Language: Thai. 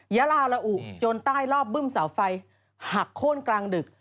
ยาลาละอุจนใต้รอบบึ้มเสาไฟหักโค้นกลางดึก